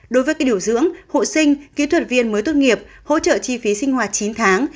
đối với điều dưỡng hộ sinh kỹ thuật viên mới tốt nghiệp hỗ trợ chi phí sinh hoạt chín tháng